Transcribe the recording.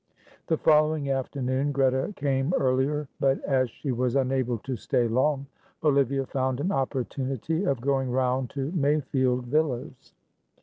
The following afternoon Greta came earlier; but, as she was unable to stay long, Olivia found an opportunity of going round to Mayfield Villas.